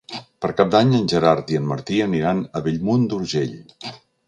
Per Cap d'Any en Gerard i en Martí aniran a Bellmunt d'Urgell.